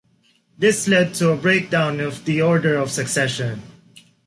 This led to a break down of the order of succession.